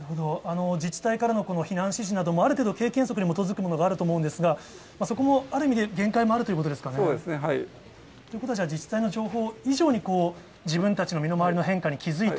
自治体からの避難指示とかもある程度、経験則に基づくものがあると思うんですが、そこもある意味で限界もあるということですかね？ということは、じゃあ、自治体の情報以上に、自分たちの身の回りの変化に気付いて。